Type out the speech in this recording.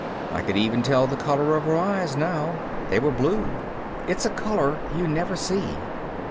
I could even tell the color of her eyes now. They were blue. It's a color you never see.